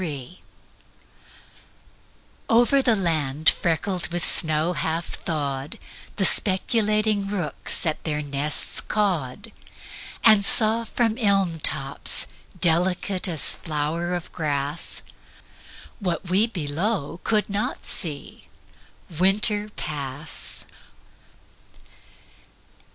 THAW OVER the land freckled with snow half thawed The speculating rooks at their nests cawed And saw from elm tops, delicate as flower of grass, What we below could not see, Winter pass.